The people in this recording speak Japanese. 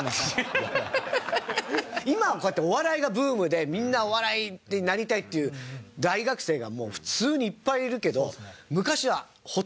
今はこうやってお笑いがブームでみんなお笑いになりたいっていう大学生がもう普通にいっぱいいるけど。